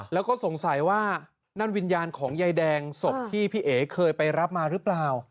แล้วก็สงสัยว่านั่นวิญญาณของยายแดงศพที่พี่เอ๋เคยไปรับมาหรือเปล่า